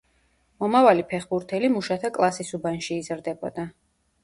მომავალი ფეხბურთელი მუშათა კლასის უბანში იზრდებოდა.